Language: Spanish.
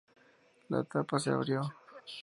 La tapa se abrió.